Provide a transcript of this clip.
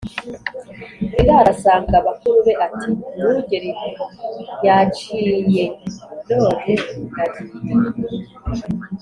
Biraro asanga bakuru be ati: "Mwungeli yanciye none ndagiye